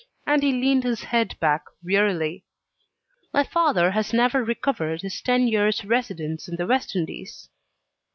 And he leaned his head back wearily. "My father has never recovered his ten years' residence in the West Indies."